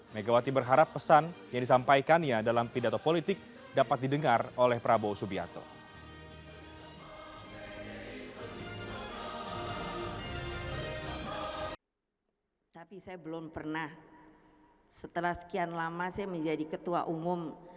megawati berharap pesan yang disampaikannya dalam pidato politik dapat didengar oleh prabowo subianto